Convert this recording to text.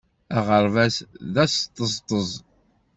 Aɣerbaz d asṭeẓṭeẓ.